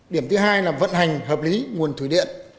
điểm thứ hai là vận hành hợp lý nguồn thủy điện